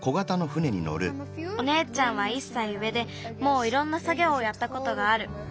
おねえちゃんは１歳上でもういろんなさぎょうをやったことがある。